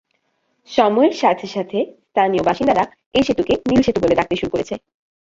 সময়ের সাথে সাথে, স্থানীয় বাসিন্দারা এই সেতুকে নীল সেতু বলে ডাকতে শুরু করেছে।